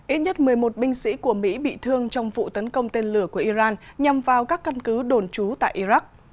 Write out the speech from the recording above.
ít nhất một mươi một binh sĩ của mỹ bị thương trong vụ tấn công tên lửa của iran nhằm vào các căn cứ đồn trú tại iraq